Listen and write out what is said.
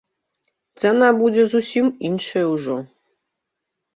Цана будзе зусім іншая ўжо.